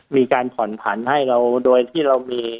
มีการผ่อนผันให้เราโดยที่เรามี